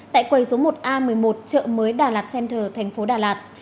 tại quầy số một a một mươi một chợ mới đà lạt center tp đà lạt